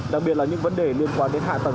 đặc biệt là những vấn đề liên quan đến hạ tầng